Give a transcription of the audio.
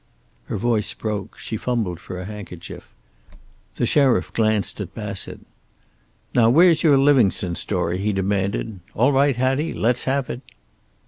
Her voice broke; she fumbled for a handkerchief. The sheriff glanced at Bassett. "Now where's your Livingstone story?" he demanded. "All right, Hattie. Let's have it."